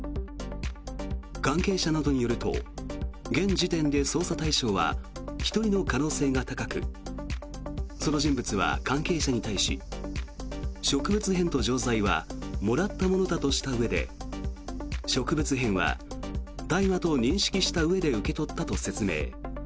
関係者などによると現時点で捜査対象は１人の可能性が高くその人物は関係者に対し植物片と錠剤はもらったものだとしたうえで植物片は、大麻と認識したうえで受け取ったと説明。